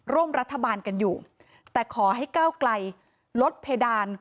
ร่วมรัฐบาลกันอยู่แต่ขอให้ก้าวไกลลดเพดาน